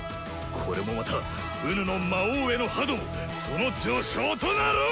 これもまた己の魔王への覇道その序章となろう！